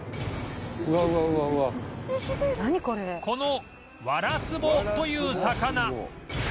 このワラスボという魚